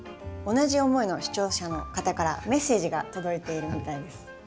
同じ思いの視聴者の方からメッセージが届いているみたいです。